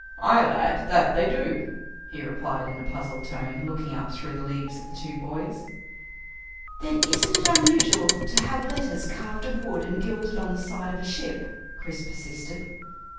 "Aye lad, that they do," Ned replied in a puzzled tone, looking up through the leaves at the two boys. "Then isn't it unusual to have letters carved of wood and gilded, on the side of a ship?" Chris persisted.